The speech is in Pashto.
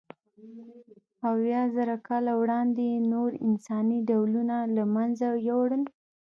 اویازره کاله وړاندې یې نور انساني ډولونه له منځه یووړل.